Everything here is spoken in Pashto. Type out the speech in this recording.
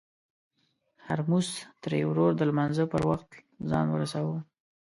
هورموز تري ورور د لمانځه پر وخت ځان ورساوه.